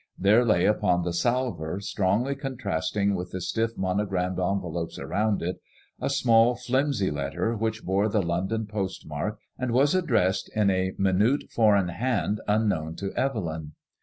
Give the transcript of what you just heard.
There lay upon the salver, strongly contrasting with the stiff monogramed envelopes around it, a small flimsy letter, which bore the London post mark, and was addressed in a minute foreign hand unknown to Bvel3m.